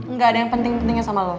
nggak ada yang penting pentingnya sama lo